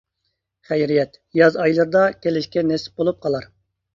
خەيرىيەت، ياز ئايلىرىدا كېلىشكە نېسىپ بولۇپ قالار.